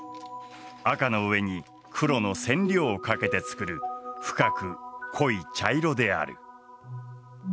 紅の上に黒の染料をかけて作る深く濃い茶色である。